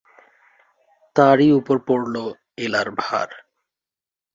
তাঁরই উপর পড়ল এলার ভার।